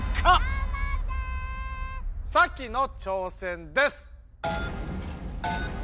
サキの挑戦です！